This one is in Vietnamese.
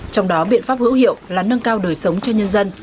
trong đó biện pháp hữu hiệu là nâng cao đời sống cho nhân dân